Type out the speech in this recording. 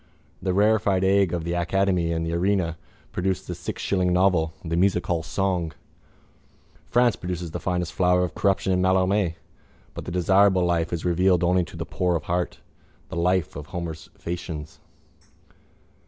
The rarefied air of the academy and the arena produce the sixshilling novel, the musichall song. France produces the finest flower of corruption in Mallarmé but the desirable life is revealed only to the poor of heart, the life of Homer's Phæacians.